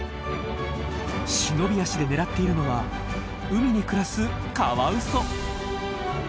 忍び足で狙っているのは海に暮らすカワウソ。